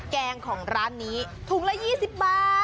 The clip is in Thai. แกงของร้านนี้ถุงละ๒๐บาท